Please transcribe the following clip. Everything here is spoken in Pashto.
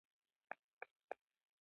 په غالۍ کې نقشه مهمه ده.